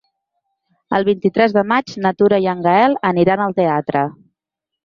El vint-i-tres de maig na Tura i en Gaël iran al teatre.